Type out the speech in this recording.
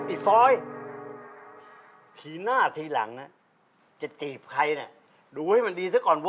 ฟ้อยทีหน้าทีหลังจะจีบใครน่ะดูให้มันดีซะก่อน